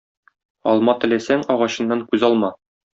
Алма теләсәң, агачыннан күз алма.